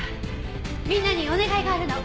みんなにお願いがあるの。